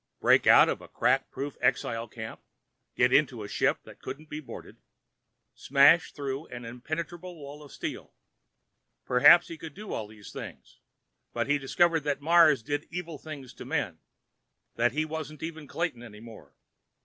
Break out of a crack proof exile camp—get onto a ship that couldn't be boarded—smash through an impenetrable wall of steel. Perhaps he could do all these things, but he discovered that Mars did evil things to men; that he wasn't even Clayton any more.